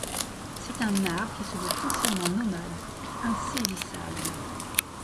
C’est un art qui se veut foncièrement nomade, insaisissable.